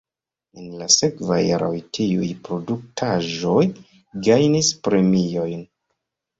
En la sekvaj jaroj tiuj produktaĵoj gajnis premiojn.